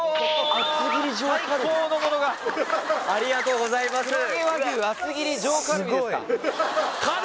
ありがとうございますすごい！